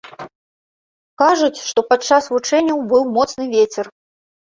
Кажуць, што падчас вучэнняў быў моцны вецер.